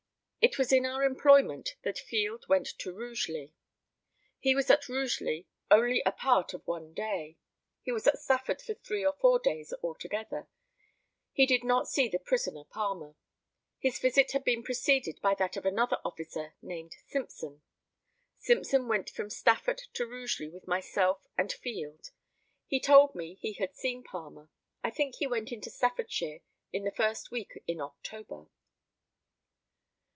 It was in our employment that Field went to Rugeley. He was at Rugeley only a part of one day. He was at Stafford for three or four days altogether. He did not see the prisoner Palmer. His visit had been preceded by that of another officer, named Simpson. Simpson went from Stafford to Rugeley with myself and Field. He told me he had seen Palmer. I think he went into Staffordshire in the first week in October.